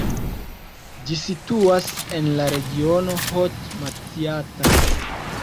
Ĝi situas en la regiono Haute-Matsiatra.